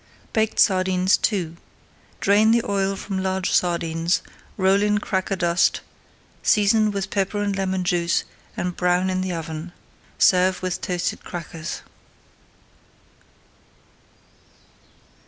BAKED SARDINES II Drain the oil from large sardines, roll in cracker dust, season with pepper and lemon juice, and brown in the oven. Serve with toasted crackers.